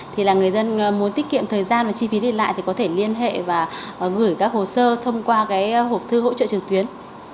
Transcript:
thì là người dân muốn tiết kiệm thời gian và chi phí đi lại thì có thể liên hệ và gửi các hồ sơ thông qua cái hộp thư hỗ trợ trực tuyến